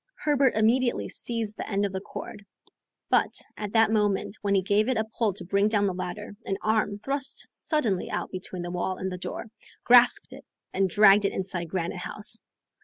Herbert immediately seized the end of the cord, but, at that moment when he gave it a pull to bring down the ladder, an arm, thrust suddenly out between the wall and the door, grasped it and dragged it inside Granite House.